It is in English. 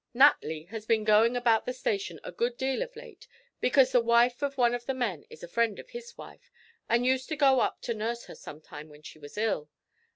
Natly has been goin' about the station a good deal of late, because the wife of one of the men is a friend of his wife, and used to go up to nurse her sometimes when she was ill.